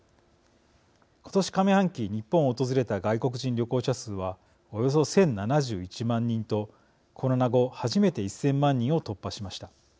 今年上半期日本を訪れた外国人旅行者数はおよそ１０７１万人とコロナ後、初めて１０００万人を突破しました。